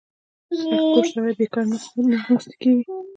• سختکوش سړی بېکاره نه ناستېږي.